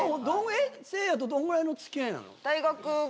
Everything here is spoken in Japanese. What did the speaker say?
せいやとどのぐらいの付き合いなの？